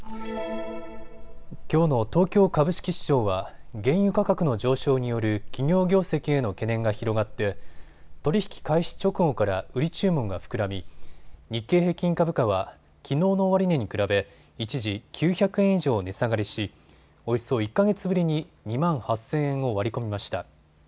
きょうの東京株式市場は原油価格の上昇による企業業績への懸念が広がって取り引き開始直後から売り注文が膨らみ日経平均株価はきのうの終値に比べ一時、９００円以上値下がりしおよそ１か月ぶりに２万８０００円を割り込みました。